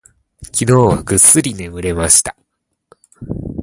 昨日はぐっすり眠れました。